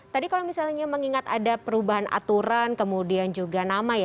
tadi kalau misalnya mengingat ada perubahan aturan kemudian juga nama ya